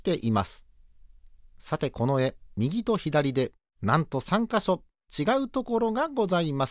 さてこのえみぎとひだりでなんと３かしょちがうところがございます。